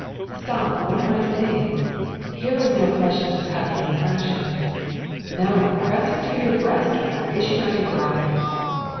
Stop! What am I saying? Here was no question of cutting and slashing! No; press her to your breast, rather! Is she not your bride?